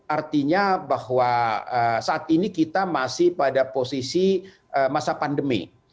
artinya bahwa saat ini kita masih pada posisi masa pandemi